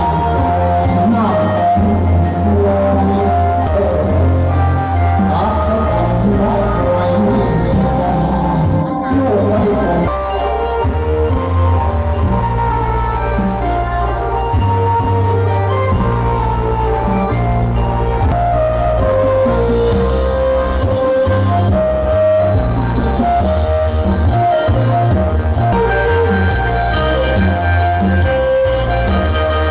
แม่งแม่งแม่งแม่งแม่งแม่งแม่งแม่งแม่งแม่งแม่งแม่งแม่งแม่งแม่ง